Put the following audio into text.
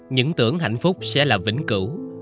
những tưởng hạnh phúc sẽ là vĩnh cửu